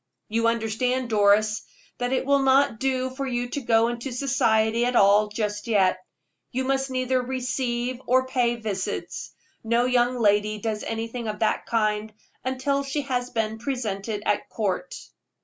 "You understand, Doris, that it will not do for you to go into society at all just yet. You must neither receive or pay visits. No young lady does anything of that kind until she has been presented at court."